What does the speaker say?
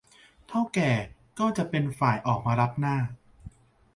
เถ้าแก่ก็จะเป็นฝ่ายออกมารับหน้า